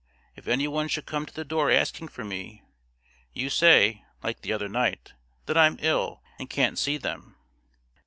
If any one should come to the door asking for me, you say, like the other night, that I'm ill and can't see them."